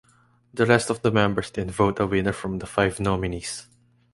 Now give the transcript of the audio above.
The rest of the members then vote a winner from the five nominees.